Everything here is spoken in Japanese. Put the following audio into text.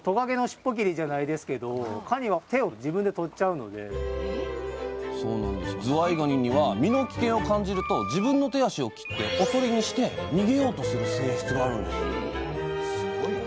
さらにずわいがにには身の危険を感じると自分の手足を切っておとりにして逃げようとする性質があるんですおすごいな。